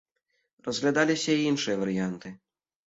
Разглядаліся і іншыя варыянты.